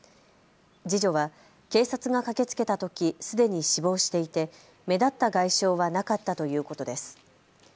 次女は警察が駆けつけたときすでに死亡していて目立った外傷はなかったということです。